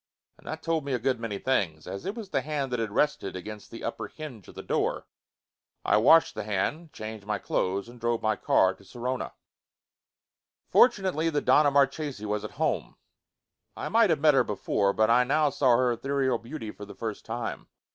And that told me a good many things, as it was the hand that had rested against the upper hinge of the door. I washed the hand, changed my clothes and drove my car to Sorona. Fortunately, the Donna Marchesi was at home. I might have met her before, but I now saw her ethereal beauty for the first time.